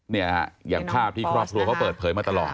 อย่างภาพที่ครอบครัวเขาเปิดเผยมาตลอด